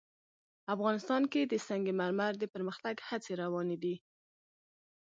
افغانستان کې د سنگ مرمر د پرمختګ هڅې روانې دي.